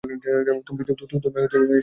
তুমি নিশ্চয়ই লয়েড।